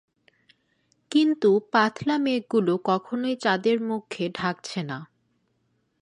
কিন্তু পাতলা মেঘগুলো কখনই চাঁদের মুখকে ঢাকছে না।